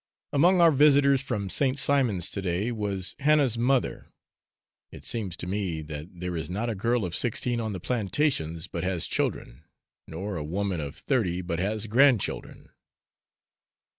Among our visitors from St. Simons to day was Hannah's mother (it seems to me that there is not a girl of sixteen on the plantations but has children, nor a woman of thirty but has grandchildren).